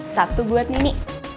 satu buat nini